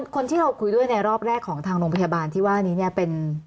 คนที่เราคุยด้วยในรอบแรกของทางโรงพยาบาลที่ว่านี้เนี่ยเป็น